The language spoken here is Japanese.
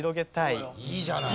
いいじゃない。